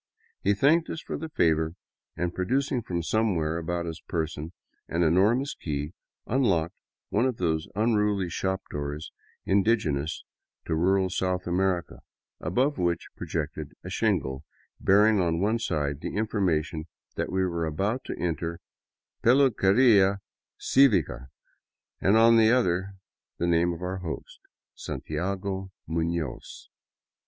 He thanked us for the favor and, producing from somewhere about his person an enormous key, unlocked one of those unruly shop doors indigenous to rural South America, above which projected a shingle bearing on one side the information that we were about to enter the " Peluqueria Civica," and on the other the name of our host, Santiago Muiioz.